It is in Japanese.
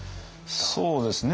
そうですね